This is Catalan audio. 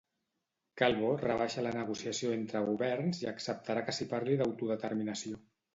Calvo rebaixa la negociació entre governs i acceptarà que s'hi parli d'autodeterminació.